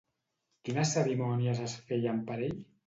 Quines cerimònies es feien per ell?